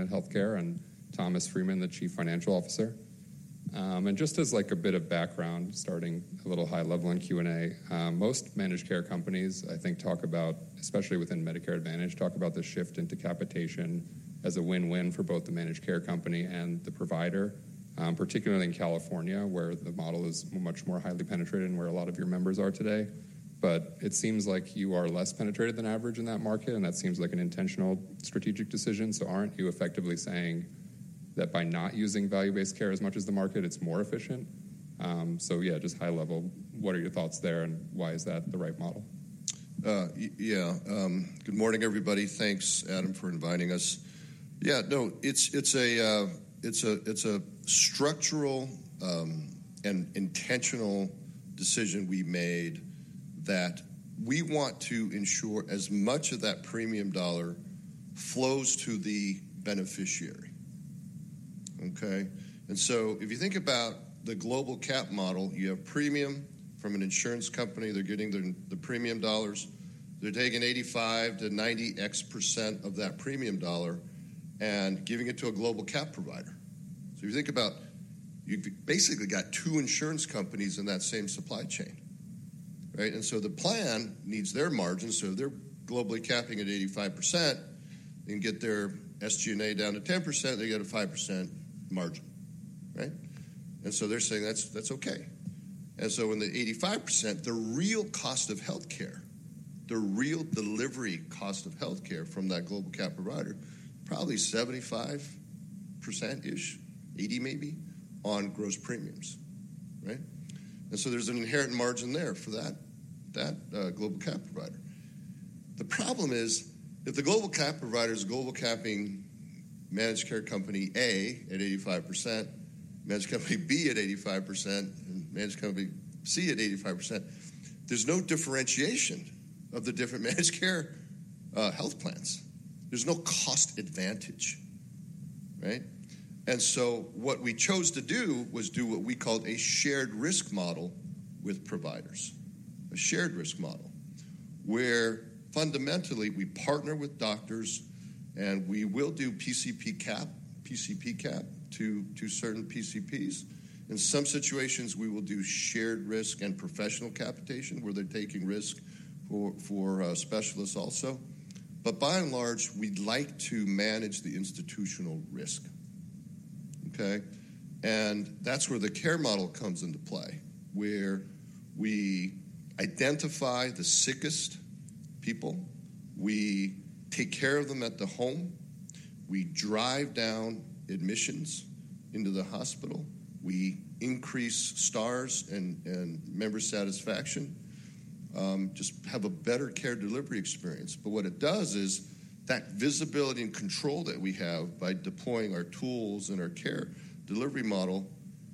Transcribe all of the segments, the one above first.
in healthcare, and Thomas Freeman, the Chief Financial Officer. And just as like a bit of background, starting a little high level in Q&A, most managed care companies, I think, talk about, especially within Medicare Advantage, talk about the shift in capitation as a win-win for both the managed care company and the provider, particularly in California, where the model is much more highly penetrated and where a lot of your members are today. But it seems like you are less penetrated than average in that market, and that seems like an intentional strategic decision. So aren't you effectively saying that by not using value-based care as much as the market, it's more efficient? So yeah, just high level, what are your thoughts there, and why is that the right model? Yeah. Good morning, everybody. Thanks, Adam, for inviting us. Yeah, no, it's a structural and intentional decision we made that we want to ensure as much of that premium dollar flows to the beneficiary, okay? And so if you think about the global cap model, you have premium from an insurance company. They're getting the premium dollars. They're taking 85%-90% of that premium dollar and giving it to a global cap provider. So if you think about, you've basically got two insurance companies in that same supply chain, right? And so the plan needs their margin, so they're globally capping at 85% and get their SG&A down to 10%, they get a 5% margin, right? And so they're saying that's okay. And so in the 85%, the real cost of healthcare, the real delivery cost of healthcare from that global cap provider, probably 75%-ish, 80% maybe, on gross premiums, right? And so there's an inherent margin there for that global cap provider. The problem is, if the global cap provider is global capping Managed Care Company A at 85%, Managed Company B at 85%, and Managed Company C at 85%, there's no differentiation of the different managed care health plans. There's no cost advantage, right? And so what we chose to do was do what we called a shared risk model with providers. A shared risk model, where fundamentally, we partner with doctors, and we will do PCP cap to certain PCPs. In some situations, we will do shared risk and professional capitation, where they're taking risk for specialists also. But by and large, we'd like to manage the institutional risk, okay? And that's where the care model comes into play, where we identify the sickest people, we take care of them at the home, we drive down admissions into the hospital, we increase stars and member satisfaction, just have a better care delivery experience. But what it does is, that visibility and control that we have by deploying our tools and our care delivery model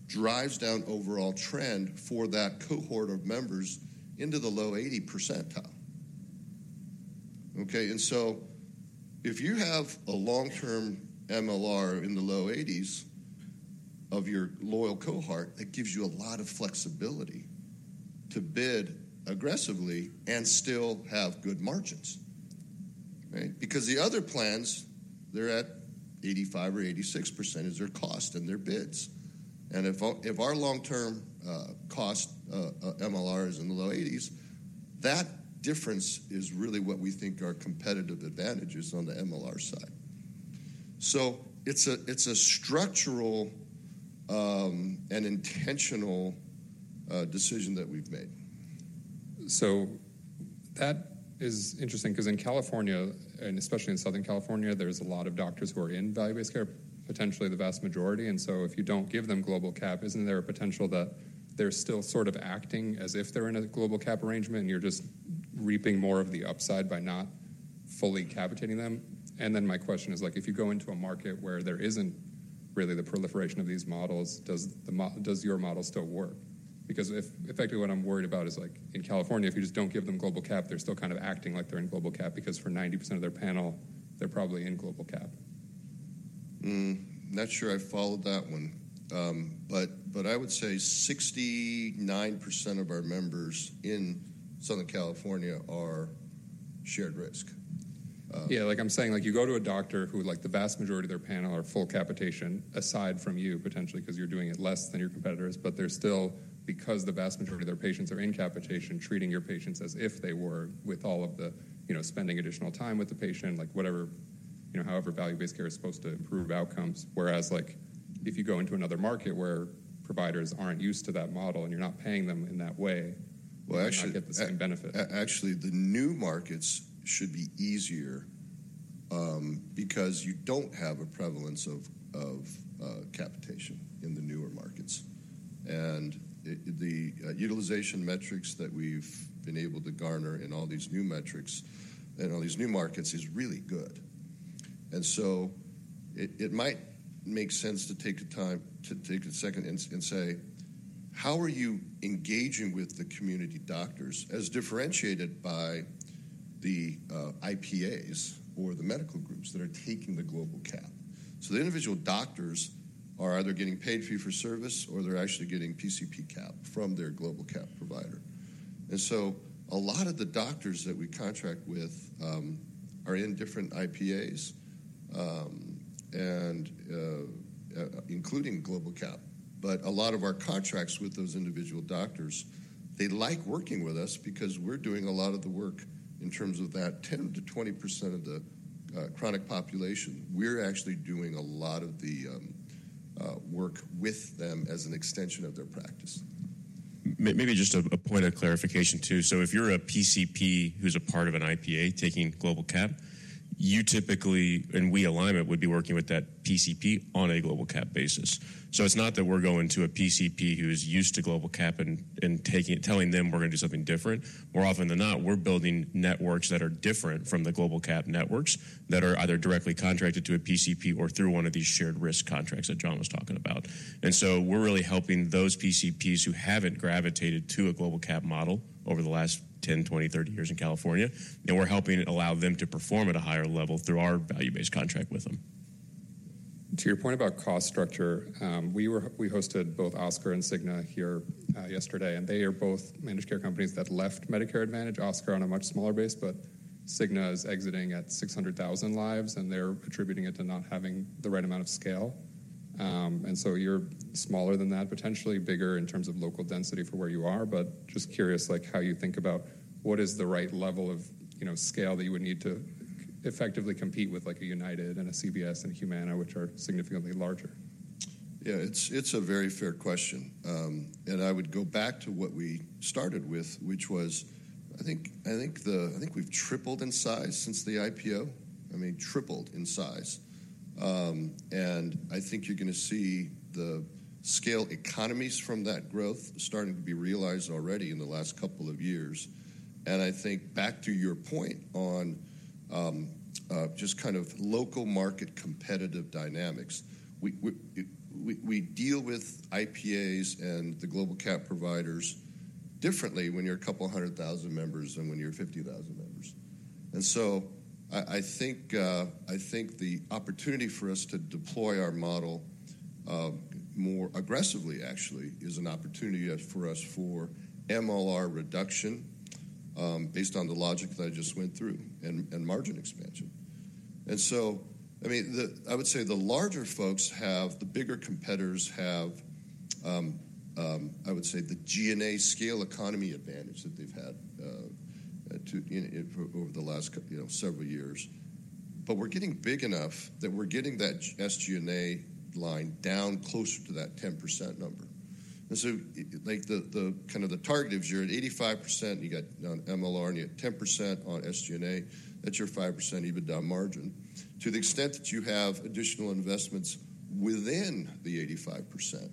drives down overall trend for that cohort of members into the low 80 percentile, okay? And so if you have a long-term MLR in the low 80s% of your loyal cohort, it gives you a lot of flexibility to bid aggressively and still have good margins, right? Because the other plans, they're at 85% or 86% as their cost and their bids. And if our long-term cost MLR is in the low 80s%, that difference is really what we think are competitive advantages on the MLR side. So it's a structural and intentional decision that we've made. So that is interesting 'cause in California, and especially in Southern California, there's a lot of doctors who are in value-based care, potentially the vast majority. And so if you don't give them global cap, isn't there a potential that they're still sort of acting as if they're in a global cap arrangement, and you're just reaping more of the upside by not fully capitating them? And then my question is, like, if you go into a market where there isn't really the proliferation of these models, does your model still work? Because if, effectively what I'm worried about is, like, in California, if you just don't give them global cap, they're still kind of acting like they're in global cap, because for 90% of their panel, they're probably in global cap. Not sure I followed that one. But, but I would say 69% of our members in Southern California are shared risk. Yeah, like I'm saying, like, you go to a doctor who, like the vast majority of their panel, are full capitation, aside from you, potentially 'cause you're doing it less than your competitors, but they're still, because the vast majority of their patients are in capitation, treating your patients as if they were with all of the, you know, spending additional time with the patient, like whatever, you know, however value-based care is supposed to improve outcomes. Whereas like, if you go into another market where providers aren't used to that model, and you're not paying them in that way- Well, actually- You might not get the same benefit. Actually, the new markets should be easier because you don't have a prevalence of capitation in the newer markets. And the utilization metrics that we've been able to garner in all these new metrics and all these new markets is really good. And so it might make sense to take the time, to take a second and say: How are you engaging with the community doctors, as differentiated by the IPAs or the medical groups that are taking the global cap? So the individual doctors are either getting paid fee for service, or they're actually getting PCP cap from their global cap provider. And so a lot of the doctors that we contract with are in different IPAs and including global cap. But a lot of our contracts with those individual doctors, they like working with us because we're doing a lot of the work in terms of that 10%-20% of the chronic population. We're actually doing a lot of the work with them as an extension of their practice. Maybe just a point of clarification, too. So if you're a PCP who's a part of an IPA taking global cap, you typically, and Alignment would be working with that PCP on a global cap basis. So it's not that we're going to a PCP who is used to global cap and taking it, telling them we're gonna do something different. More often than not, we're building networks that are different from the global cap networks, that are either directly contracted to a PCP or through one of these shared risk contracts that John was talking about. And so we're really helping those PCPs who haven't gravitated to a global cap model over the last 10, 20, 30 years in California, and we're helping allow them to perform at a higher level through our value-based contract with them. To your point about cost structure, we hosted both Oscar and Cigna here yesterday, and they are both managed care companies that left Medicare Advantage, Oscar on a much smaller base, but Cigna is exiting at 600,000 lives, and they're attributing it to not having the right amount of scale. And so you're smaller than that, potentially bigger in terms of local density for where you are, but just curious, like, how you think about what is the right level of, you know, scale that you would need to effectively compete with, like a United and a CVS and Humana, which are significantly larger? Yeah, it's a very fair question. And I would go back to what we started with, which was, I think we've tripled in size since the IPO. I mean, tripled in size. And I think you're gonna see the scale economies from that growth starting to be realized already in the last couple of years. And I think back to your point on just kind of local market competitive dynamics, we deal with IPAs and the global cap providers differently when you're 200,000 members than when you're 50,000 members. And so I think the opportunity for us to deploy our model more aggressively, actually, is an opportunity for us for MLR reduction based on the logic that I just went through, and margin expansion. And so, I mean, I would say the larger folks have, the bigger competitors have, I would say, the SG&A scale economy advantage that they've had, over the last you know, several years. But we're getting big enough that we're getting that SG&A line down closer to that 10% number. And so, like, the kind of the target is you're at 85%, you got on MLR, and you're at 10% on SG&A, that's your 5% EBITDA margin. To the extent that you have additional investments within the 85%,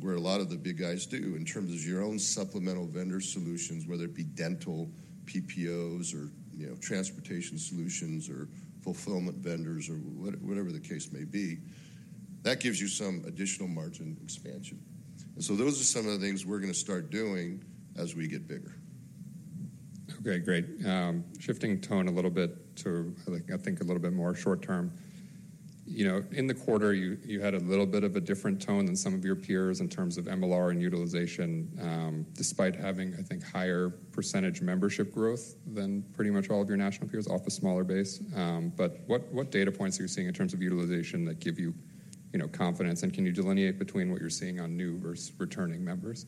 where a lot of the big guys do, in terms of your own supplemental vendor solutions, whether it be dental, PPOs or, you know, transportation solutions or fulfillment vendors or whatever the case may be, that gives you some additional margin expansion. Those are some of the things we're gonna start doing as we get bigger. Okay, great. Shifting tone a little bit to, like, I think, a little bit more short term. You know, in the quarter, you, you had a little bit of a different tone than some of your peers in terms of MLR and utilization, despite having, I think, higher percentage membership growth than pretty much all of your national peers off a smaller base. But what, what data points are you seeing in terms of utilization that give you, you know, confidence, and can you delineate between what you're seeing on new versus returning members?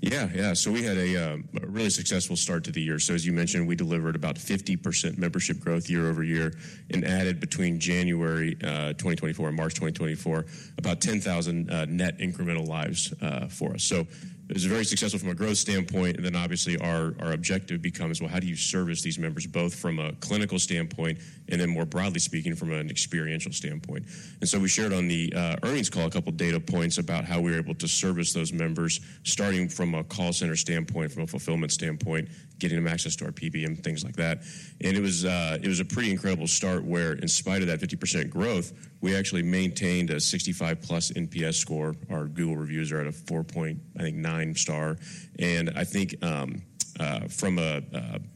Yeah, yeah. So we had a really successful start to the year. So as you mentioned, we delivered about 50% membership growth year-over-year and added between January 2024 and March 2024, about 10,000 net incremental lives for us. So it was very successful from a growth standpoint, and then obviously, our objective becomes: well, how do you service these members, both from a clinical standpoint and then, more broadly speaking, from an experiential standpoint? And so we shared on the earnings call a couple data points about how we were able to service those members, starting from a call center standpoint, from a fulfillment standpoint, getting them access to our PBM, things like that. It was a pretty incredible start, where, in spite of that 50% growth, we actually maintained a 65+ NPS score. Our Google reviews are at a 4.9, I think, star. And I think from a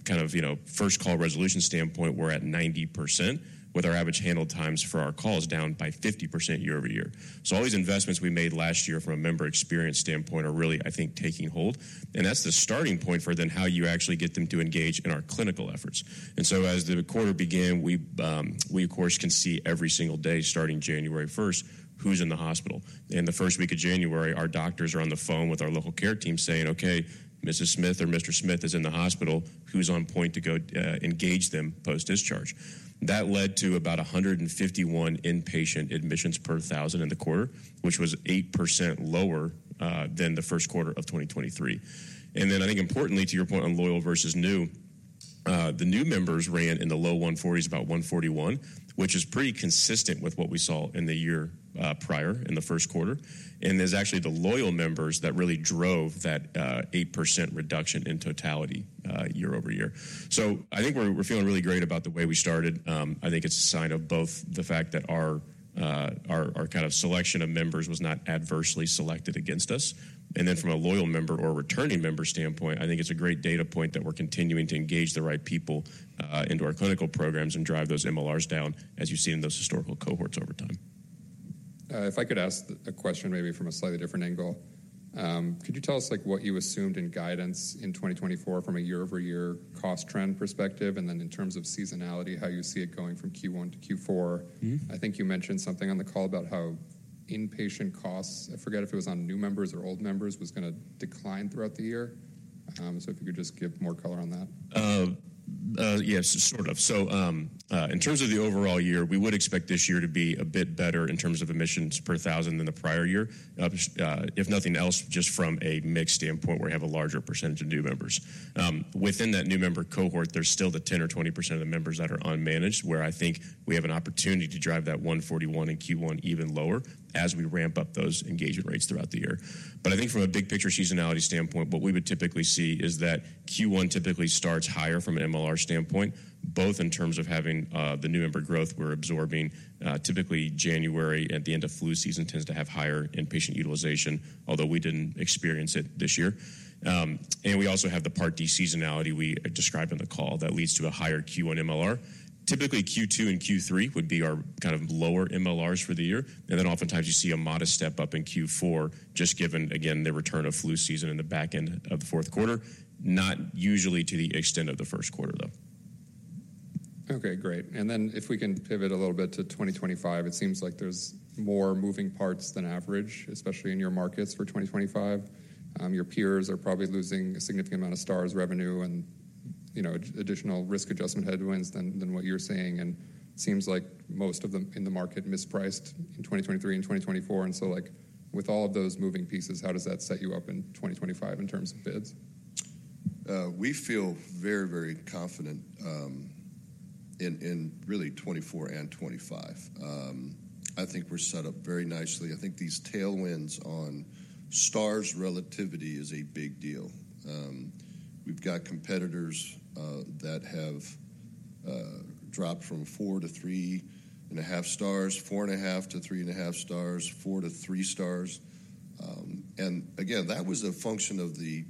kind of, you know, first call resolution standpoint, we're at 90%, with our average handle times for our calls down by 50% year-over-year. So all these investments we made last year from a member experience standpoint are really, I think, taking hold, and that's the starting point for then how you actually get them to engage in our clinical efforts. And so as the quarter began, we, of course, can see every single day, starting January first, who's in the hospital. In the first week of January, our doctors are on the phone with our local care team saying: "Okay, Mrs. Smith or Mr. Smith is in the hospital, who's on point to go, engage them post-discharge?" That led to about 151 inpatient admissions per 1,000 in the quarter, which was 8% lower than the first quarter of 2023. And then, I think importantly, to your point on loyal versus new, the new members ran in the low 140s, about 141, which is pretty consistent with what we saw in the year prior in the first quarter. And there's actually the loyal members that really drove that 8% reduction in totality year-over-year. So I think we're feeling really great about the way we started. I think it's a sign of both the fact that our kind of selection of members was not adversely selected against us. And then from a loyal member or returning member standpoint, I think it's a great data point that we're continuing to engage the right people into our clinical programs and drive those MLRs down, as you see in those historical cohorts over time. ... if I could ask a question maybe from a slightly different angle. Could you tell us, like, what you assumed in guidance in 2024 from a year-over-year cost trend perspective, and then in terms of seasonality, how you see it going from Q1 to Q4? Mm-hmm. I think you mentioned something on the call about how inpatient costs, I forget if it was on new members or old members, was gonna decline throughout the year. So if you could just give more color on that. Yes, sort of. So, in terms of the overall year, we would expect this year to be a bit better in terms of admissions per thousand than the prior year, if nothing else, just from a mix standpoint, where we have a larger percentage of new members. Within that new member cohort, there's still the 10% or 20% of the members that are unmanaged, where I think we have an opportunity to drive that 141 in Q1 even lower as we ramp up those engagement rates throughout the year. But I think from a big picture seasonality standpoint, what we would typically see is that Q1 typically starts higher from an MLR standpoint, both in terms of having the new member growth we're absorbing. Typically, January, at the end of flu season, tends to have higher inpatient utilization, although we didn't experience it this year. And we also have the Part D seasonality we described on the call that leads to a higher Q1 MLR. Typically, Q2 and Q3 would be our kind of lower MLRs for the year, and then oftentimes you see a modest step-up in Q4, just given, again, the return of flu season in the back end of the fourth quarter. Not usually to the extent of the first quarter, though. Okay, great. And then if we can pivot a little bit to 2025, it seems like there's more moving parts than average, especially in your markets for 2025. Your peers are probably losing a significant amount of stars, revenue, and, you know, additional risk adjustment headwinds than, than what you're seeing, and it seems like most of them in the market mispriced in 2023 and 2024. And so, like, with all of those moving pieces, how does that set you up in 2025 in terms of bids? We feel very, very confident in really 2024 and 2025. I think we're set up very nicely. I think these tailwinds on stars relativity is a big deal. We've got competitors that have dropped from four to three and a half stars, four and a half to three and a half stars, four to three stars. And again, that was a function of the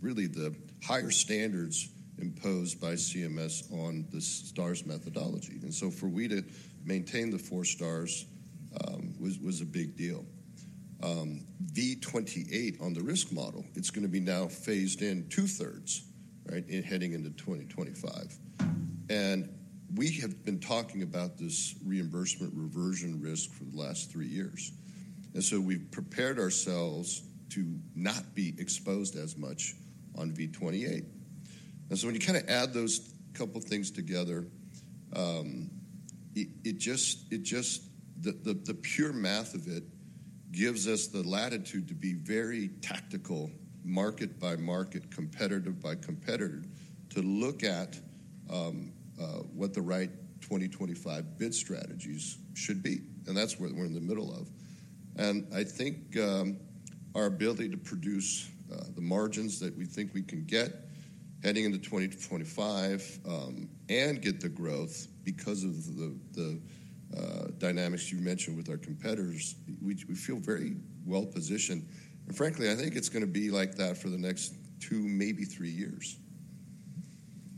really the higher standards imposed by CMS on the stars methodology. And so for we to maintain the four stars was a big deal. V28 on the risk model, it's gonna be now phased in two-thirds, right, in heading into 2025. And we have been talking about this reimbursement reversion risk for the last three years, and so we've prepared ourselves to not be exposed as much on V28. And so when you kinda add those couple things together, it just the pure math of it gives us the latitude to be very tactical, market by market, competitive by competitor, to look at what the right 2025 bid strategies should be, and that's what we're in the middle of. And I think our ability to produce the margins that we think we can get heading into 2025, and get the growth because of the dynamics you mentioned with our competitors, we feel very well positioned, and frankly, I think it's gonna be like that for the next two, maybe three years.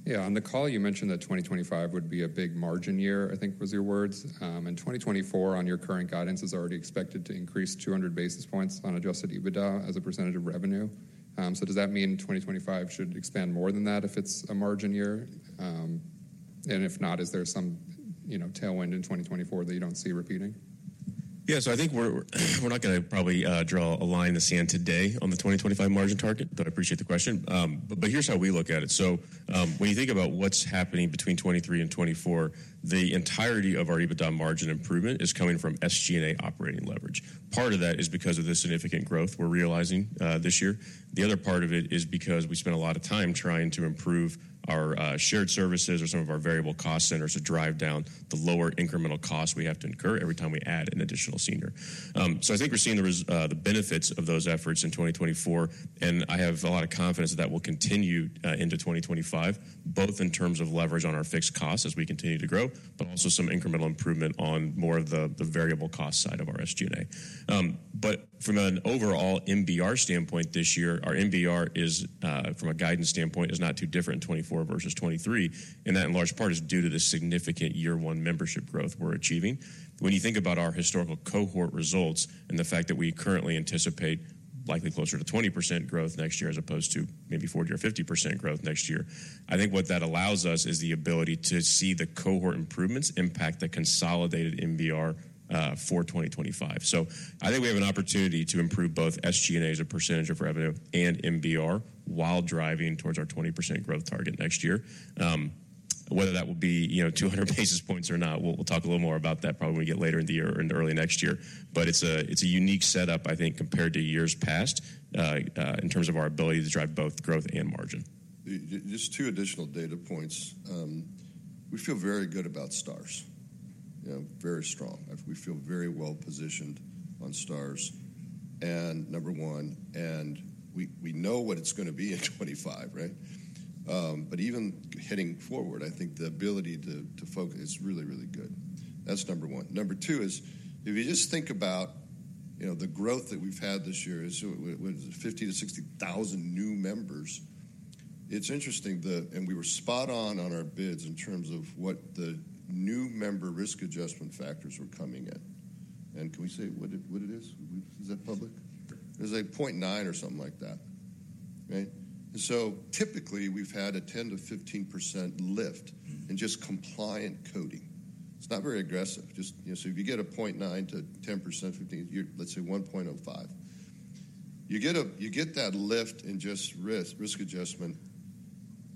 Yeah. On the call, you mentioned that 2025 would be a big margin year, I think was your words. And 2024, on your current guidance, is already expected to increase 200 basis points on adjusted EBITDA as a percentage of revenue. So does that mean 2025 should expand more than that if it's a margin year? And if not, is there some, you know, tailwind in 2024 that you don't see repeating? Yeah. So I think we're not gonna probably draw a line in the sand today on the 2025 margin target, but I appreciate the question. But here's how we look at it. So, when you think about what's happening between 2023 and 2024, the entirety of our EBITDA margin improvement is coming from SG&A operating leverage. Part of that is because of the significant growth we're realizing this year. The other part of it is because we spent a lot of time trying to improve our shared services or some of our variable cost centers to drive down the lower incremental cost we have to incur every time we add an additional senior. So I think we're seeing the benefits of those efforts in 2024, and I have a lot of confidence that will continue into 2025, both in terms of leverage on our fixed costs as we continue to grow, but also some incremental improvement on more of the, the variable cost side of our SG&A. But from an overall MBR standpoint this year, our MBR is, from a guidance standpoint, is not too different, 2024 versus 2023, and that in large part is due to the significant year one membership growth we're achieving. When you think about our historical cohort results and the fact that we currently anticipate likely closer to 20% growth next year, as opposed to maybe 40% or 50% growth next year, I think what that allows us is the ability to see the cohort improvements impact the consolidated MBR for 2025. So I think we have an opportunity to improve both SG&A as a percentage of revenue and MBR while driving towards our 20% growth target next year. Whether that will be, you know, 200 basis points or not, we'll talk a little more about that probably when we get later in the year or into early next year. But it's a unique setup, I think, compared to years past, in terms of our ability to drive both growth and margin. Just two additional data points. We feel very good about stars, you know, very strong. We feel very well-positioned on stars and number one, and we know what it's gonna be in 2025, right? But even heading forward, I think the ability to focus is really, really good. That's number one. Number two is, if you just think about, you know, the growth that we've had this year, so what is it? 50,000-60,000 new members. It's interesting and we were spot on on our bids in terms of what the new member risk adjustment factors were coming in. And can we say what it is? Is that public? It was a 0.9% or something like that, right? So typically, we've had a 10%-15% lift- Mm-hmm. In just compliant coding. It's not very aggressive. Just, you know, so if you get a 0.9%-10%, 15%, you're, let's say, 1.05%. You get a-- You get that lift in just risk, risk adjustment.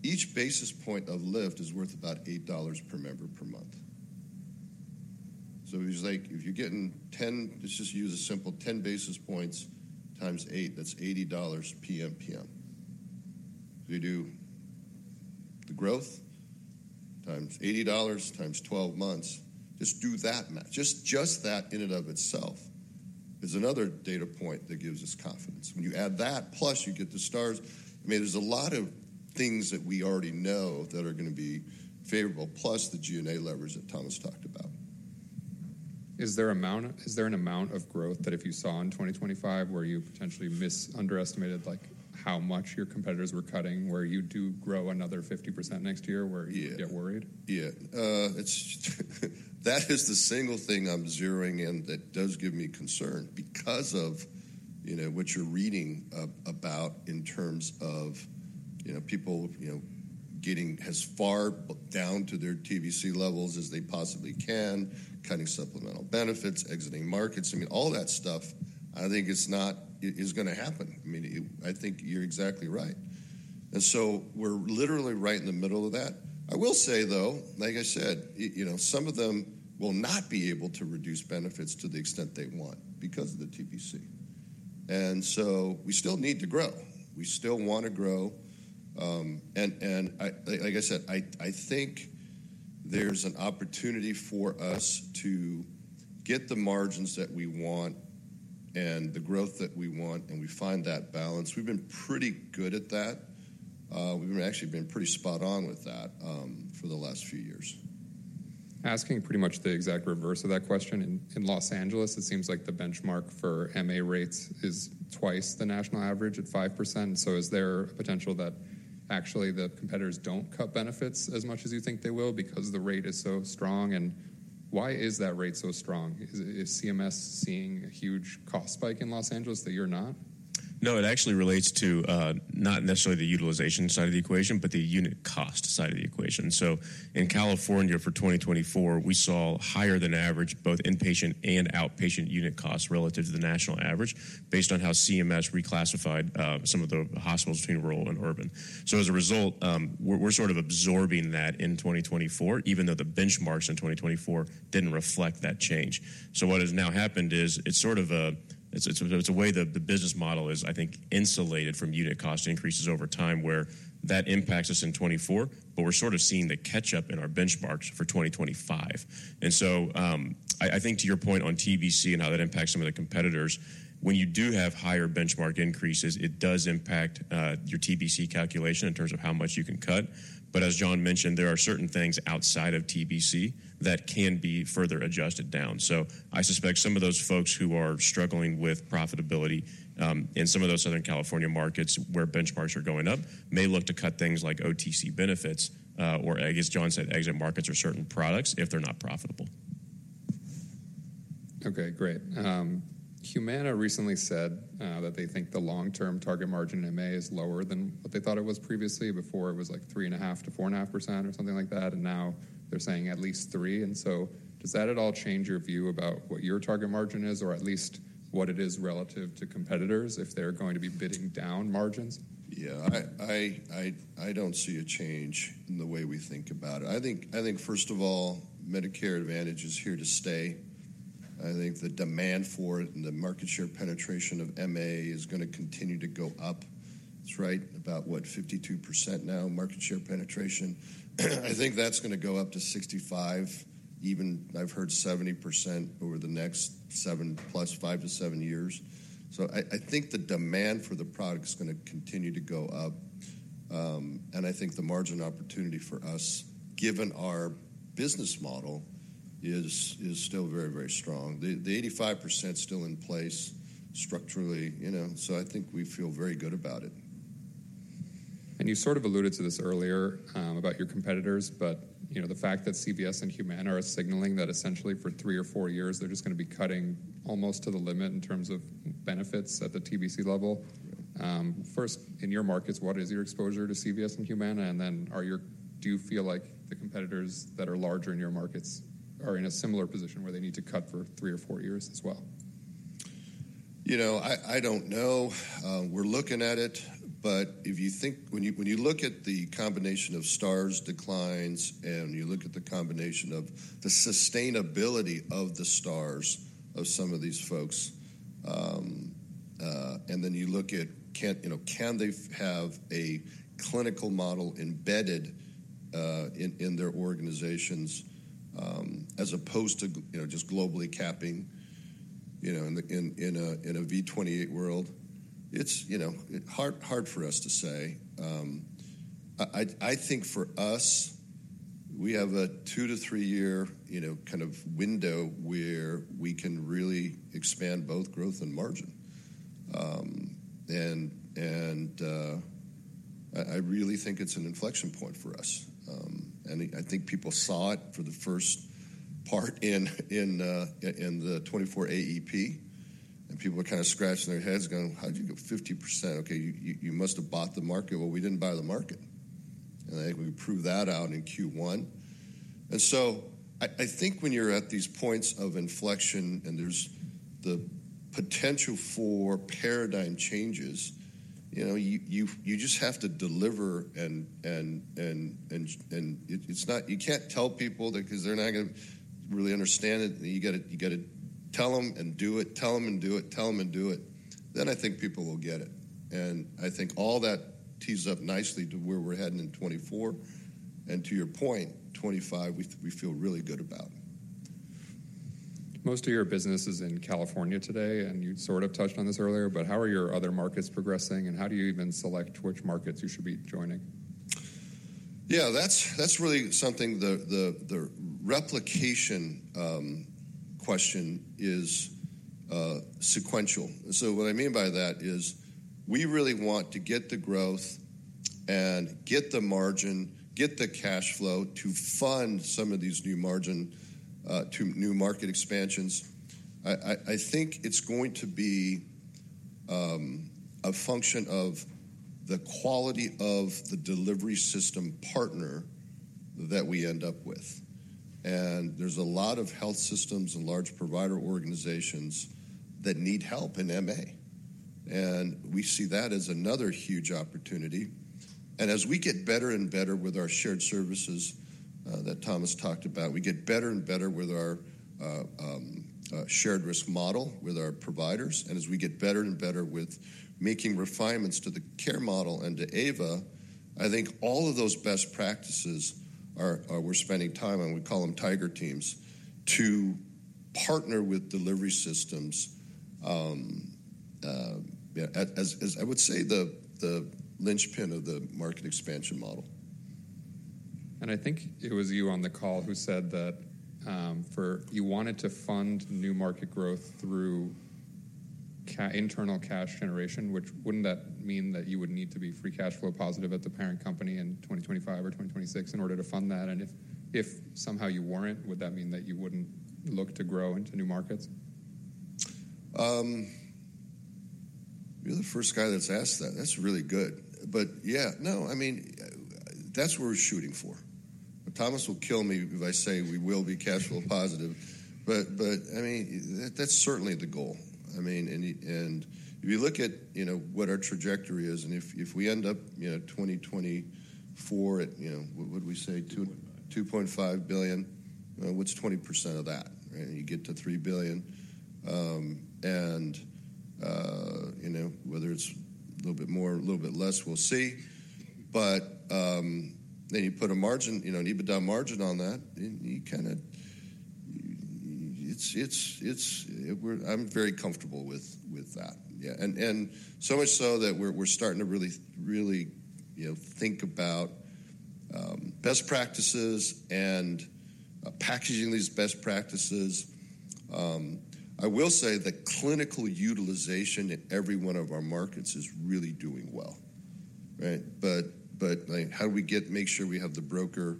Each basis point of lift is worth about $8 per member per month. So it's like if you're getting ten... Let's just use a simple 10 basis points times eight, that's $80 PMPM. If you do the growth times $80 times 12 months, just do that math. Just, just that in and of itself is another data point that gives us confidence. When you add that, plus you get the stars, I mean, there's a lot of things that we already know that are gonna be favorable, plus the SG&A levers that Thomas talked about. Is there an amount of growth that if you saw in 2025, where you potentially mis-underestimated, like, how much your competitors were cutting, where you do grow another 50% next year, where- Yeah. - you get worried? Yeah, it is the single thing I'm zeroing in that does give me concern because of, you know, what you're reading about in terms of, you know, people, you know, getting as far down to their TBC levels as they possibly can, cutting supplemental benefits, exiting markets. I mean, all that stuff, I think it's not it is gonna happen. I mean, I think you're exactly right. And so we're literally right in the middle of that. I will say, though, like I said, you know, some of them will not be able to reduce benefits to the extent they want because of the TBC. And so we still need to grow. We still want to grow. And, like I said, I think there's an opportunity for us to get the margins that we want and the growth that we want, and we find that balance. We've been pretty good at that. We've actually been pretty spot on with that, for the last few years. Asking pretty much the exact reverse of that question, in Los Angeles, it seems like the benchmark for MA rates is twice the national average at 5%. So is there a potential that actually the competitors don't cut benefits as much as you think they will because the rate is so strong? And why is that rate so strong? Is CMS seeing a huge cost spike in Los Angeles that you're not? No, it actually relates to not necessarily the utilization side of the equation, but the unit cost side of the equation. So in California, for 2024, we saw higher than average, both inpatient and outpatient unit costs relative to the national average, based on how CMS reclassified some of the hospitals between rural and urban. So as a result, we're sort of absorbing that in 2024, even though the benchmarks in 2024 didn't reflect that change. So what has now happened is it's sort of a way the business model is, I think, insulated from unit cost increases over time, where that impacts us in 2024, but we're sort of seeing the catch-up in our benchmarks for 2025. So, I think to your point on TBC and how that impacts some of the competitors, when you do have higher benchmark increases, it does impact your TBC calculation in terms of how much you can cut. But as John mentioned, there are certain things outside of TBC that can be further adjusted down. So I suspect some of those folks who are struggling with profitability in some of those Southern California markets where benchmarks are going up, may look to cut things like OTC benefits, or I guess John said, exit markets or certain products if they're not profitable. Okay, great. Humana recently said that they think the long-term target margin in MA is lower than what they thought it was previously. Before, it was like 3.5%-4.5% or something like that, and now they're saying at least 3%. And so does that at all change your view about what your target margin is, or at least what it is relative to competitors, if they're going to be bidding down margins? Yeah, I don't see a change in the way we think about it. I think, first of all, Medicare Advantage is here to stay. I think the demand for it and the market share penetration of MA is gonna continue to go up. It's right about, what, 52% now, market share penetration. I think that's gonna go up to 65, even I've heard 70% over the next seven plus, five to seven years. So I think the demand for the product is gonna continue to go up, and I think the margin opportunity for us, given our business model, is still very, very strong. The 85% still in place structurally, you know, so I think we feel very good about it. You sort of alluded to this earlier, about your competitors, but, you know, the fact that CVS and Humana are signaling that essentially for three or four years, they're just gonna be cutting almost to the limit in terms of benefits at the TBC level. Right. First, in your markets, what is your exposure to CVS and Humana? And then do you feel like the competitors that are larger in your markets are in a similar position where they need to cut for three or four years as well? You know, I don't know. We're looking at it, but if you think, when you look at the combination of stars, declines, and you look at the combination of the sustainability of the stars of some of these folks, and then you look at, you know, can they have a clinical model embedded in their organizations, as opposed to, you know, just globally capping, you know, in a V28 world? It's, you know, hard for us to say. I think for us. We have a two to three year, you know, kind of window where we can really expand both growth and margin, and I really think it's an inflection point for us. And I think people saw it for the first part in the 2024 AEP, and people were kinda scratching their heads, going: "How'd you get 50%? Okay, you must have bought the market." Well, we didn't buy the market, and I think we proved that out in Q1. And so I think when you're at these points of inflection, and there's the potential for paradigm changes, you know, you just have to deliver and it’s not— You can't tell people, because they're not gonna really understand it. You gotta tell 'em and do it, tell 'em and do it, tell 'em and do it. Then I think people will get it, and I think all that tees up nicely to where we're heading in 2024. To your point, 2025, we feel really good about. Most of your business is in California today, and you sort of touched on this earlier, but how are your other markets progressing, and how do you even select which markets you should be joining? Yeah, that's really something. The replication question is sequential. So what I mean by that is, we really want to get the growth and get the margin, get the cash flow to fund some of these new margin to new market expansions. I think it's going to be a function of the quality of the delivery system partner that we end up with, and there's a lot of health systems and large provider organizations that need help in MA, and we see that as another huge opportunity. And as we get better and better with our shared services that Thomas talked about, we get better and better with our shared risk model with our providers. And as we get better and better with making refinements to the care model and to AVA, I think all of those best practices are, we're spending time on, we call them tiger teams, to partner with delivery systems, as I would say, the linchpin of the market expansion model. I think it was you on the call who said that, you wanted to fund new market growth through internal cash generation, which wouldn't that mean that you would need to be free cash flow positive at the parent company in 2025 or 2026 in order to fund that? If somehow you weren't, would that mean that you wouldn't look to grow into new markets? You're the first guy that's asked that. That's really good. But yeah, no, I mean, that's what we're shooting for. Thomas will kill me if I say we will be cash flow positive, but, but, I mean, that, that's certainly the goal. I mean, and and if you look at, you know, what our trajectory is, and if, if we end up, you know, 2024 at, you know, what did we say? $2.5 billion. $2.5 billion, what's 20% of that, right? You get to $3 billion, and, you know, whether it's a little bit more or a little bit less, we'll see. But, then you put a margin, you know, an EBITDA margin on that, and you kinda... It's, it's, it's-- We're-- I'm very comfortable with, with that. Yeah, and so much so that we're starting to really think about, you know, best practices and packaging these best practices. I will say the clinical utilization in every one of our markets is really doing well, right? But, like, how do we make sure we have the broker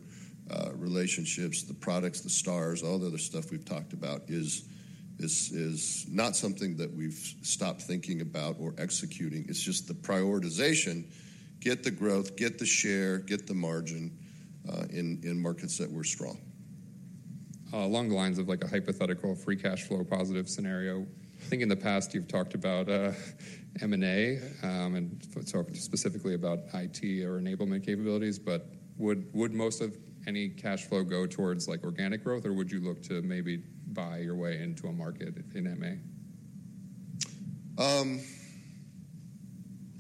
relationships, the products, the stars, all the other stuff we've talked about is not something that we've stopped thinking about or executing. It's just the prioritization, get the growth, get the share, get the margin, in markets that we're strong. Along the lines of, like, a hypothetical free cash flow positive scenario, I think in the past you've talked about M&A, and talked specifically about IT or enablement capabilities, but would most of any cash flow go towards, like, organic growth, or would you look to maybe buy your way into a market in MA?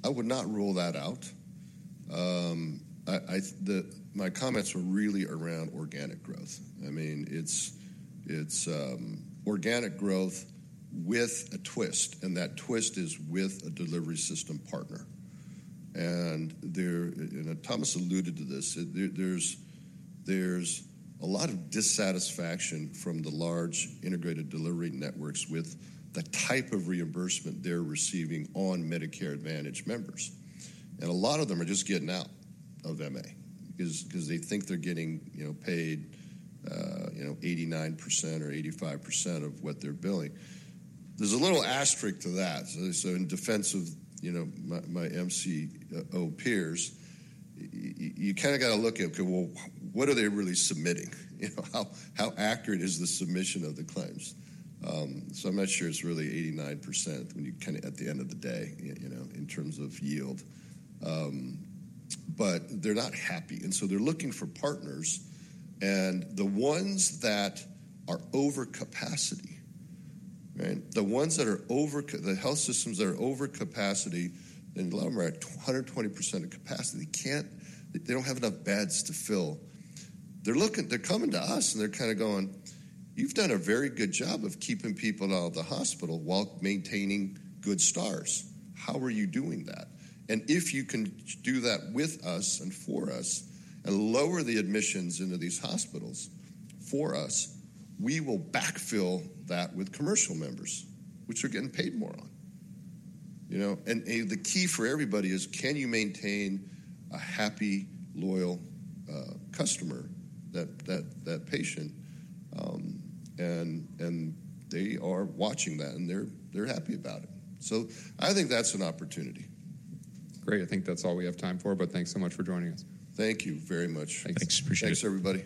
I would not rule that out. My comments were really around organic growth. I mean, it's organic growth with a twist, and that twist is with a delivery system partner. And Thomas alluded to this. There's a lot of dissatisfaction from the large integrated delivery networks with the type of reimbursement they're receiving on Medicare Advantage members, and a lot of them are just getting out of MA because they think they're getting, you know, paid, you know, 89% or 85% of what they're billing. There's a little asterisk to that. So in defense of, you know, my MCO peers, you kinda gotta look at, well, what are they really submitting? You know, how accurate is the submission of the claims? So I'm not sure it's really 89% when you kinda, at the end of the day, you know, in terms of yield. But they're not happy, and so they're looking for partners, and the ones that are over capacity, right? The health systems that are over capacity, and a lot of them are at 120% of capacity, can't. They don't have enough beds to fill. They're coming to us, and they're kinda going: "You've done a very good job of keeping people out of the hospital while maintaining good stars. How are you doing that? And if you can do that with us and for us and lower the admissions into these hospitals for us, we will backfill that with commercial members, which we're getting paid more on." You know, and the key for everybody is: Can you maintain a happy, loyal customer, that patient? And they are watching that, and they're happy about it. So I think that's an opportunity. Great. I think that's all we have time for, but thanks so much for joining us. Thank you very much. Thanks. Appreciate it. Thanks, everybody.